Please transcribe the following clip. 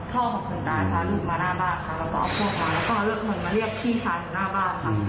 พ่อของคุณจานค่ะหลุดมาหน้าบ้านค่ะแล้วก็เอาพวกมาแล้วก็เลือกเหมือนมาเรียกพี่ชายหน้าบ้านค่ะ